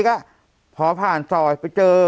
ก็พอผ่านซอยไปเจอ